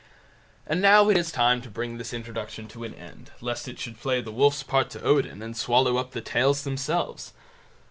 And now it is time to bring this introduction to an end, lest it should play the Wolf's part to Odin, and swallow up the Tales themselves.